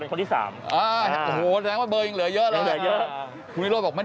เป็นคนที่๓โหแสดงว่าเบอร์ยังเหลือเยอะแล้วคุณวิโรธบอกไม่